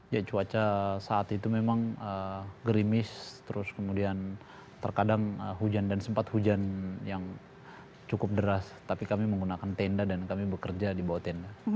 ya cuaca saat itu memang gerimis terus kemudian terkadang hujan dan sempat hujan yang cukup deras tapi kami menggunakan tenda dan kami bekerja di bawah tenda